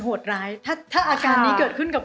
โหดร้ายถ้าอาการนี้เกิดขึ้นกับ